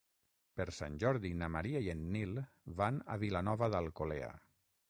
Per Sant Jordi na Maria i en Nil van a Vilanova d'Alcolea.